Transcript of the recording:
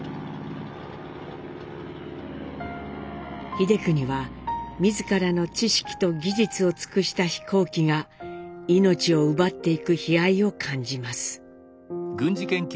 英邦は自らの知識と技術を尽くした飛行機が命を奪っていく悲哀を感じます。